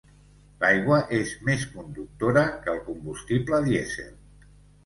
L'aigua és més conductora que el combustible dièsel.